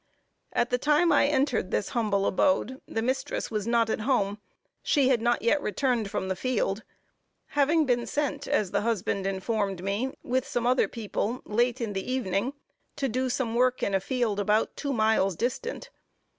At the time I entered this humble abode the mistress was not at home. She had not yet returned from the field; having been sent, as the husband informed me, with some other people late in the evening, to do some work in a field about two miles distant.